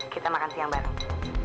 kita makan siang bareng